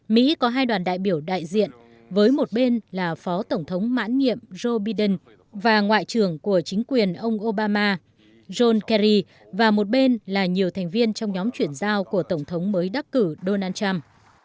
mỹ có hai đoàn đại biểu đại diện với một bên là phó tổng thống mãn nhiệm job biden và ngoại trưởng của chính quyền ông obama john kerry và một bên là nhiều thành viên trong nhóm chuyển giao của tổng thống mới đắc cử donald trump